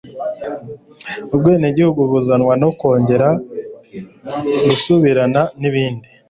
Ubwenegihugu buzanwa no kongera kubusubirana n'ibindi.